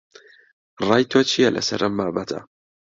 ڕای تۆ چییە لەسەر ئەم بابەتە؟